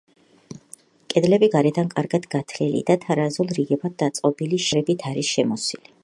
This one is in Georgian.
კედლები გარედან კარგად გათლილი და თარაზულ რიგებად დაწყობილი შირიმის კვადრებით არის შემოსილი.